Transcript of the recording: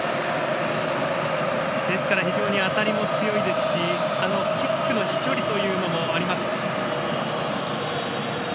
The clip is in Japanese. ですから非常に当たりも強いですしキックの飛距離というのもあります。